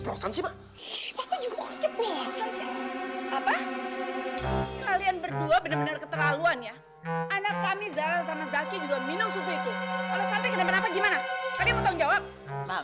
kalau sampai kedepan apa gimana kalian butuh jawab